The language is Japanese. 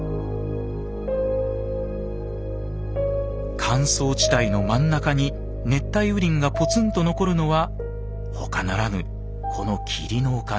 乾燥地帯の真ん中に熱帯雨林がぽつんと残るのは他ならぬこの霧のおかげ。